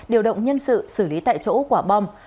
điều động nhân sự xử lý tại chỗ quả bom